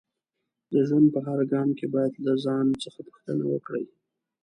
د ژوند په هر ګام کې باید له ځان څخه پوښتنه وکړئ